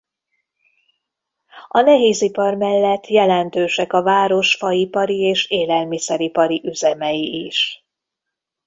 A nehézipar mellett jelentősek a város faipari és élelmiszeripari üzemei is.